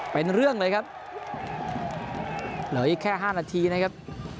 เป็นเรื่องเลยครับเหลืออีกแค่๕นาทีนะครับ